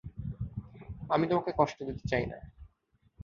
আমি তোমাকে কষ্ট দিতে চাই না।